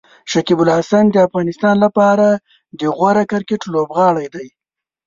شکيب الحسن د افغانستان لپاره د غوره کرکټ لوبغاړی دی.